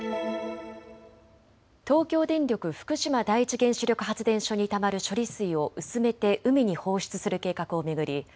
東京電力福島第一原子力発電所にたまる処理水を薄めて海に放出する計画を巡り